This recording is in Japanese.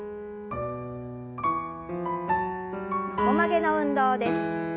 横曲げの運動です。